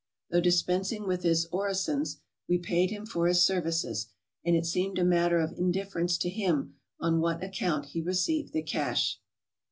Though dispensing with his orisons we paid him for his services, and it seemed a matter of in¬ difference to him on what account he received the cash.